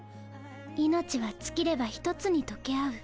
命は尽きれば一つに溶け合う。